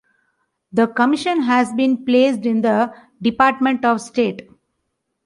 The Commission has been placed in the Department of State.